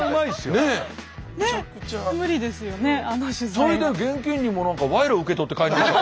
それで現金にも何か賄賂受け取って帰りました。